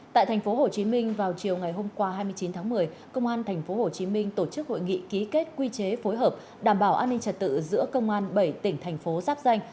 tại tp hcm vào chiều ngày hôm qua hai mươi chín tháng một mươi công an tp hcm tổ chức hội nghị ký kết quy chế phối hợp đảm bảo an ninh trật tự giữa công an bảy tỉnh thành phố giáp danh